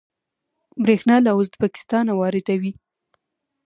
بریښنا له ازبکستان واردوي